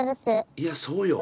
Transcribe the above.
いやそうよ。